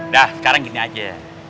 dah sekarang gini aja